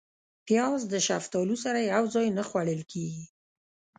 پیاز د شفتالو سره یو ځای نه خوړل کېږي